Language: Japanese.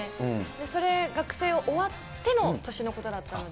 それ、学生が終わっての年のことだったので。